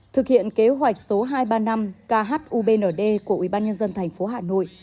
thực hiện kế hoạch số hai trăm ba mươi năm khubnd của ubnd tp hà nội